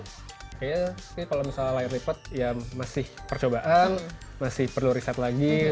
kayaknya sih kalau misalnya layar lipat ya masih percobaan masih perlu riset lagi